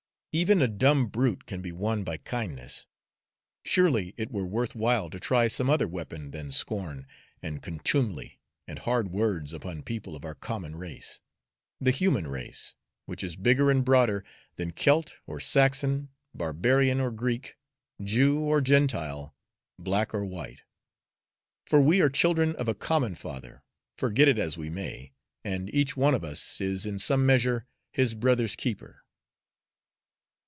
Even a dumb brute can be won by kindness. Surely it were worth while to try some other weapon than scorn and contumely and hard words upon people of our common race, the human race, which is bigger and broader than Celt or Saxon, barbarian or Greek, Jew or Gentile, black or white; for we are all children of a common Father, forget it as we may, and each one of us is in some measure his brother's keeper.